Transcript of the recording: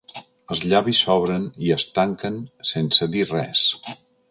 Els llavis s'obren i es tanquen sense dir res.